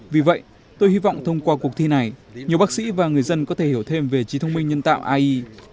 vì vậy tôi hy vọng thông qua cuộc thi này nhiều bác sĩ và người dân có thể hiểu thêm về trí thông minh nhân tạo ai